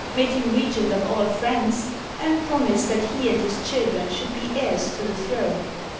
made him regent of all France, and promised that he and his chil dren should be heirs to the throne.